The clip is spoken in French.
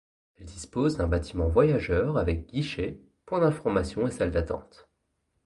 Elle dispose d'un bâtiment voyageurs avec guichets, points d'information et salles d'attente.